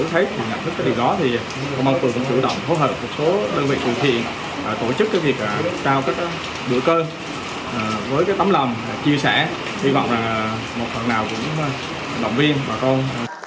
hy vọng là một phần nào cũng động viên bà con